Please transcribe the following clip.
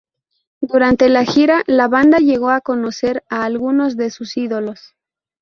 Durante la gira, la banda llegó a conocer a algunos de sus ídolos.